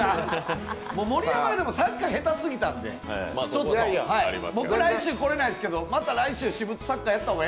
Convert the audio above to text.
盛山、サッカー、下手すぎたんで僕、来週来れないですけど、また来週やったほうが。